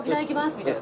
みたいな。